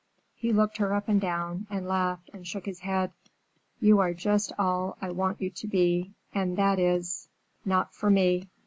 He looked her up and down and laughed and shook his head. "You are just all I want you to be—and that is,—not for me!